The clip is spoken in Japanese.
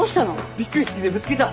びっくりし過ぎてぶつけた。